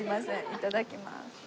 いただきます。